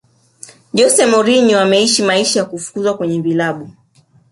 jose mourinho ameisha maisha ya kufukuzwa kwenye vilabu